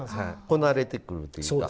こなれてくるというか。